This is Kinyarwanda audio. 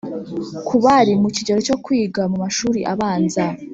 ku bari mu kigero cyo kwiga mu mashuri abanza